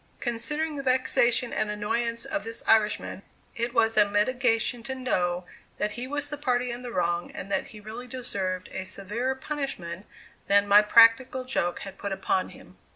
Considering the vexation and annoyance of this Irishman, it was a mitigation to know that he was the party in the wrong and that he really deserved a severer punishment than my practical joke had put upon him.